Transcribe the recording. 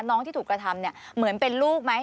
ที่ถูกกระทำเนี่ยเหมือนเป็นลูกไหม